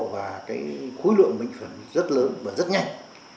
và cái khối lượng bệnh phẩm rất lớn và rất nhanh